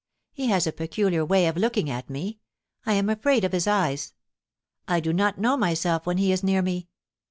He has a peculiar way of looking at me ; I am afraid of his eyes. I do not know myself when he is near me.